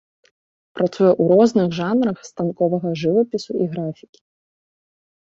Працуе ў розных жанрах станковага жывапісу і графікі.